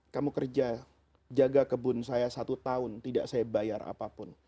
kamu kerja jaga kebun saya satu tahun tidak saya bayar apapun